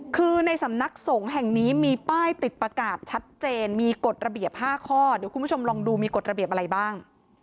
คือในสำนักสงฆ์แห่งนี้มีป้ายติดประกาศชัดเจนมีกฎระเบียบ๕ข้อเดี๋ยวคุณผู้ชมลองดูมีกฎระเบียบอะไรบ้าง